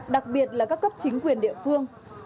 đặc biệt là các cấp chính quyền địa phương